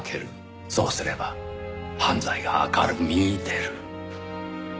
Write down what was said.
そうすれば犯罪が明るみに出る。